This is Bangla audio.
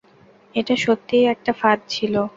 এটা সত্যিই একটা ফাঁদ ছিল।